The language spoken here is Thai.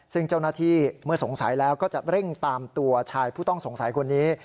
ซึ่งเจ้าหน้าที่เมื่อสงสัยแล้วก็จะเร่งตามตัวชายผู้ต้องสงสัยคนนี้